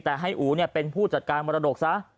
แต่ให้อู๋เป็นผู้จัดการมรดกซะ